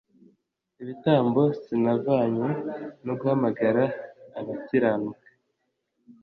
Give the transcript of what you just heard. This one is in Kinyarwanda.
ibitambo Sinazanywe no guhamagara abakiranuka